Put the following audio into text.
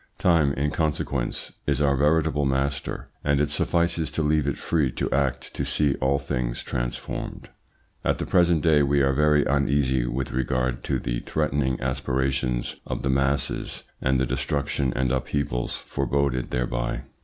Time, in consequence, is our veritable master, and it suffices to leave it free to act to see all things transformed. At the present day we are very uneasy with regard to the threatening aspirations of the masses and the destructions and upheavals foreboded thereby.